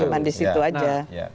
cuma di situ aja